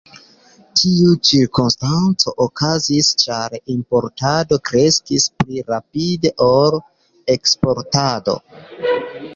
Tiu cirkonstanco okazis ĉar importado kreskis pli rapide ol eksportado.